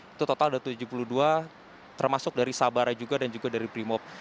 itu total ada tujuh puluh dua termasuk dari sabara juga dan juga dari brimob